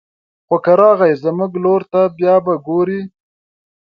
خو که راغی زموږ لور ته بيا به ګوري